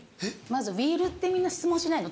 ウィールって質問しないの？